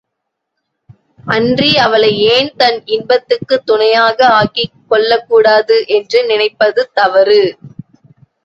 அன்றி அவளை ஏன் தன் இன்பத்துக்குத் துணையாக ஆக்கிக் கொள்ளக்கூடாது என்று நினைப்பது தவறு.